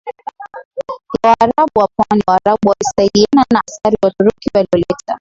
ya Waarabu wa pwani Waarabu walisaidiana na askari Waturuki walioleta